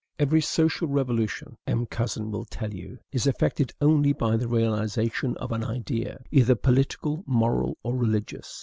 Every social revolution M. Cousin will tell you is effected only by the realization of an idea, either political, moral, or religious.